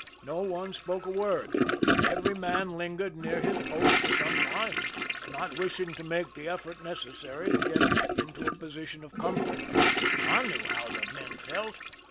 No one spoke a word. Every man lingered near his post for some time, nob wishing to make the effort necessary to get into a ])osition of comfort. I knew how the men felt.